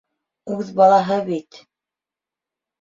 Үҙ балаһы бит.